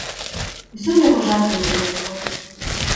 Усё ў яго жартамі з рук сходзіць.